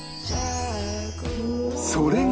それが